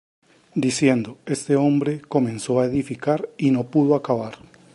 Diciendo: Este hombre comenzó á edificar, y no pudo acabar.